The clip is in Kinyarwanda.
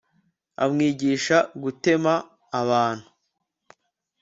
amwigisha gutema abantu